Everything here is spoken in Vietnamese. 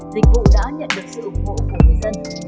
dịch vụ đã nhận được sự ủng hộ của người dân